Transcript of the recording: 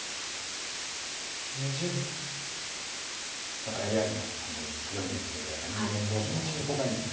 だからＡＩも強いんですけどやっぱり人間同士の方がそこがいいです。